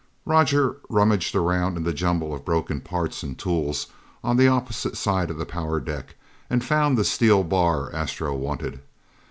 Roger rummaged around in the jumble of broken parts and tools on the opposite side of the power deck and found the steel bar Astro wanted.